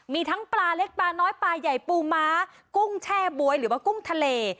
มีทั้งปลาเล็กปลาน้อยปลาใหญ่ปูม้ากุ้งแช่บ๊วยหรือว่ากุ้งทะเล